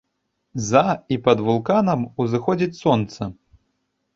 За і пад вулканам, узыходзіць сонца.